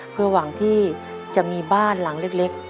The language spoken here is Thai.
เพื่อหวังที่จะมีบ้านหลังเล็ก